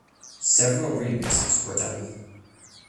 Several remixes were done.